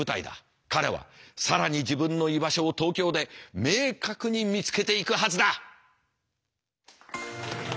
彼は更に自分の居場所を東京で明確に見つけていくはずだ！